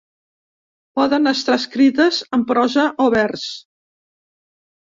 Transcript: Poden estar escrites en prosa o vers.